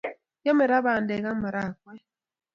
Kiame ra pandek ak marakwek